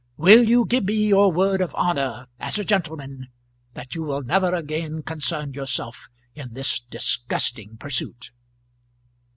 "Will you give me your word of honour as a gentleman that you will never again concern yourself in this disgusting pursuit?"